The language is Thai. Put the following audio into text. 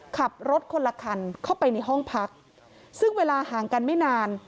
ขับรถคนละคันเข้าไปในห้องพักซึ่งเวลาห่างกันไม่นาน